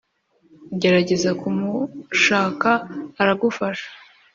gerageza kumushaka aragufasha.